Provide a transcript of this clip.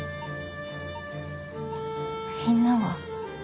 みんなは？